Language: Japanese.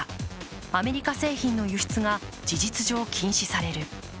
アメリカ製品の輸出が事実上禁止される。